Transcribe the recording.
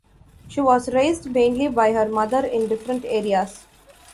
She was raised mainly by her mother in different areas.